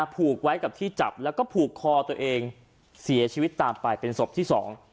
ผูกไว้กับที่จับแล้วก็ผูกคอตัวเองเสียชีวิตตามไปเป็นศพที่สอง